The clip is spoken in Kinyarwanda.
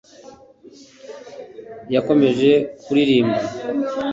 yakomeje kuririmba